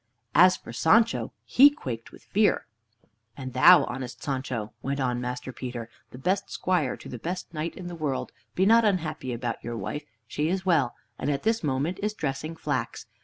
As for Sancho, he quaked with fear. "And thou, honest Sancho," went on Master Peter, "the best squire to the best knight in the world, be not unhappy about your wife. She is well, and at this moment is dressing flax.